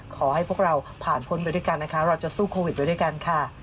ขอให้พวกเราผ่านพ้นไปด้วยกันนะคะเราจะสู้โควิดไปด้วยกันค่ะ